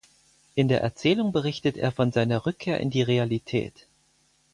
In der Erzählung berichtet er von seiner Rückkehr in die Realität.